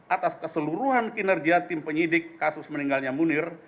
atas keseluruhan kinerja tim penyidik kasus meninggalnya munir